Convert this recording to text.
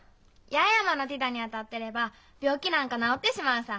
八重山の太陽に当たってれば病気なんか治ってしまうさ。